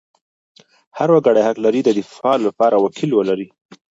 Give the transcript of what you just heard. هر وګړی حق لري د دفاع لپاره وکیل ولري.